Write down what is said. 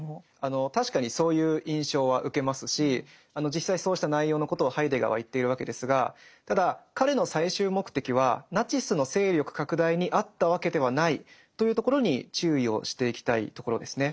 確かにそういう印象は受けますし実際そうした内容のことをハイデガーは言っているわけですがただ彼の最終目的はナチスの勢力拡大にあったわけではないというところに注意をしていきたいところですね。